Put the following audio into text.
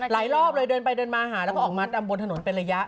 รอบเลยเดินไปเดินมาหาแล้วก็ออกมาดำบนถนนเป็นระยะ